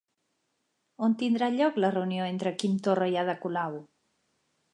On tindrà lloc la reunió entre Quim Torra i Ada Colau?